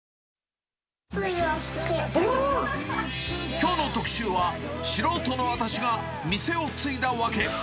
きょうの特集は、シロウトの私が店を継いだワケ。